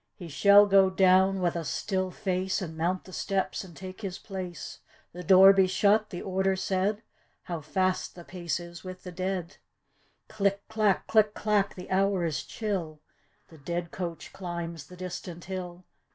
He shall go down with a still face, And mount the steps and take his place. The door be shut, the order said, How fast the pace is with the deadl Click clack, click clack, the hour is chill, The dead coach climbs the distant hill.